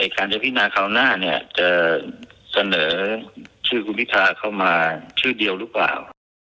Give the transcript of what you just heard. การจะพินาคราวหน้าเนี่ยจะเสนอชื่อคุณพิธาเข้ามาชื่อเดียวหรือเปล่า